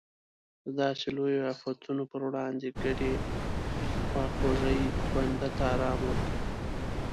د داسې لویو افتونو پر وړاندې ګډې خواخوږۍ بنده ته ارام ورکوي.